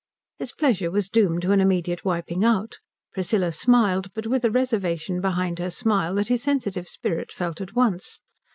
His pleasure was doomed to an immediate wiping out. Priscilla smiled, but with a reservation behind her smile that his sensitive spirit felt at once.